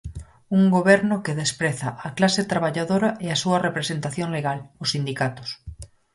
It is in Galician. Un goberno que despreza a clase traballadora e a súa representación legal, os sindicatos.